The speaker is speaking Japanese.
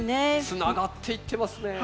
つながっていってますね。